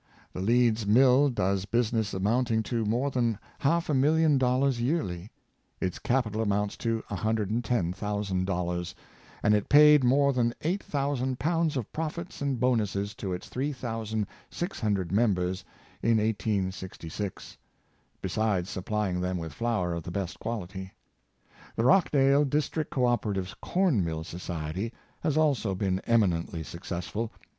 The Leeds mill does business amount ing to more than half a million dollars yearly; its capi tal amounts to $110,000; and it paid more than eight thousand pounds of profits and bonuses to its three thousand six hundred members in 1866, besides supply ing them with flour of the best quality. The Rochdale District Co operative Corn mill Society has also been eminently successful.